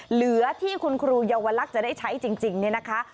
เหลือที่คุณครูเยาวลักษณ์จะได้ใช้จริงเนี่ยนะคะ